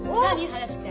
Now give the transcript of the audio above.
話って。